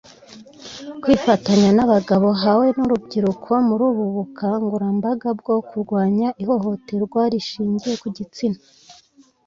Kwifatanya n’abagabo ha we n’urubyiruko muri ubu bukangurambaga bwo kurwanya ihohohterwa rishingiye ku gitsina